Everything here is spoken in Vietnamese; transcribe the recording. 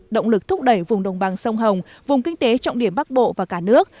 động lực thúc đẩy vùng đồng bằng sông hồng vùng kinh tế trọng điểm bắc bộ và cả nước